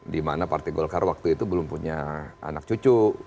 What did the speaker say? dimana partai golkar waktu itu belum punya anak cucu